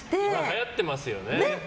はやってますよね。